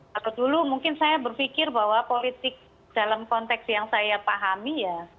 kalau dulu mungkin saya berpikir bahwa politik dalam konteks yang saya pahami ya